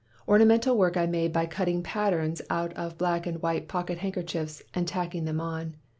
Ornamental work I made by cutting patterns out of black and white pocket handkerchiefs, and tacking them on.